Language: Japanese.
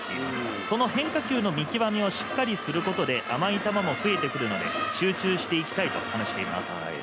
その変化球の見極めもしっかりすることで甘めのボールも増えてくるので集中していきたいと話しています。